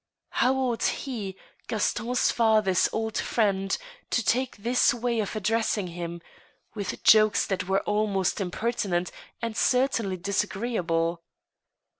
How ought he, Gaston's father's old friend, to take this way of addressing him, with jokes that were al most impertinent, and certainly disagreeable